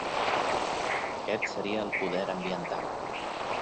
Aquest seria el poder ambiental.